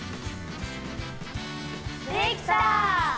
できた！